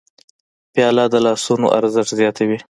پیاله د لاسونو ارزښت زیاتوي.